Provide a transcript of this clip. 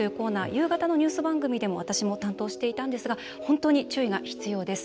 夕方のニュース番組でも私も担当していたんですが本当に注意が必要です。